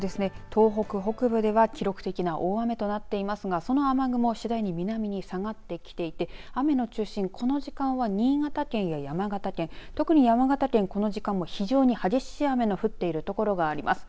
東北北部では、記録的な大雨となっていますが、その雨雲次第に南に下がってきていて雨の中心この時間は新潟県や山形県特に山形県、この時間も非常に激しい雨の降っている所があります。